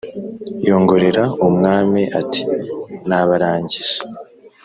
yongorera umwami ati"nabarangije"